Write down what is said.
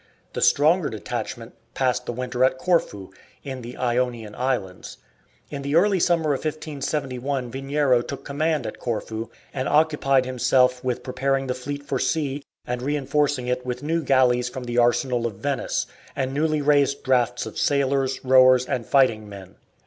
The stronger detachment passed the winter at Corfu, in the Ionian islands. In the early summer of 1571 Veniero took command at Corfu, and occupied himself with preparing the fleet for sea, and reinforcing it with new galleys from the arsenal of Venice, and newly raised drafts of sailors, rowers, and fighting men.